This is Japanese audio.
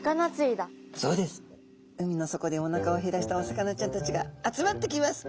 海の底でおなかを減らしたお魚ちゃんたちが集まってきます。